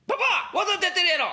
わざとやってるやろ！」。